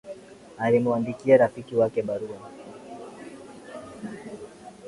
Alimwandikia rafiki wake barua